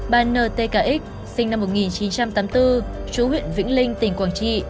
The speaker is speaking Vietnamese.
bà n t k x sinh năm một nghìn chín trăm tám mươi bốn chú huyện vĩnh linh tỉnh quảng trị